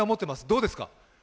どうですか？